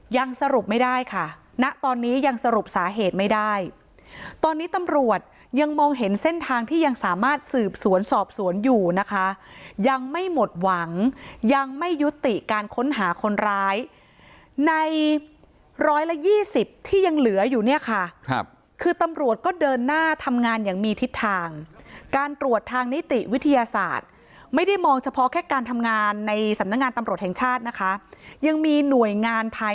ยังสรุปไม่ได้ค่ะณตอนนี้ยังสรุปสาเหตุไม่ได้ตอนนี้ตำรวจยังมองเห็นเส้นทางที่ยังสามารถสืบสวนสอบสวนอยู่นะคะยังไม่หมดหวังยังไม่ยุติการค้นหาคนร้ายในร้อยละยี่สิบที่ยังเหลืออยู่เนี่ยค่ะครับคือตำรวจก็เดินหน้าทำงานอย่างมีทิศทางการตรวจทางนิติวิทยาศาสตร์ไม่ได้มองเฉพาะแค่การทำงานในสำนักงานตำรวจแห่งชาตินะคะยังมีหน่วยงานภาย